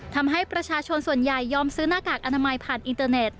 ทำให้ประชาชนส่วนใหญ่ยอมซื้อหน้ากากอนามัยผ่านอินเตอร์เน็ต